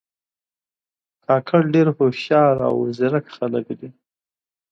کاکړي ډېر هوښیار او زیرک خلک دي.